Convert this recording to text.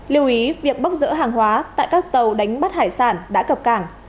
lưu ý việc bốc rỡ hàng hóa tại các tàu đánh bắt hải sản đã cập cảng